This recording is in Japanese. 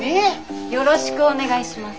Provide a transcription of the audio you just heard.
よろしくお願いします。